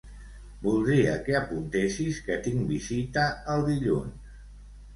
Voldria que apuntessis que tinc visita el dilluns.